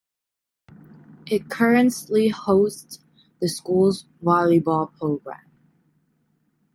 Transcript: It currently hosts the school's volleyball program.